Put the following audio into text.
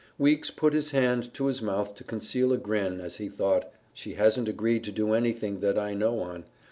Weeks put his hand to his mouth to conceal a grin as he thought, "She hasn't agreed to do anything that I know on.